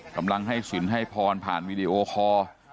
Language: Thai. กำลังให้สินให้พรผ่านวีดีโอคอร์